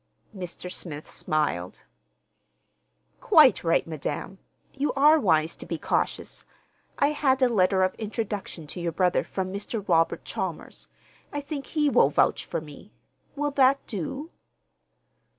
Mr. Smith smiled. "Quite right, madam. You are wise to be cautious. I had a letter of introduction to your brother from Mr. Robert Chalmers. I think he will vouch for me. Will that do?"